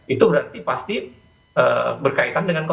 itu berarti pasti berkaitan dengan